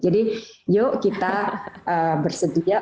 jadi yuk kita bersedia